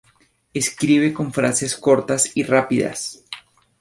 Escribe con frases cortas y rápidas.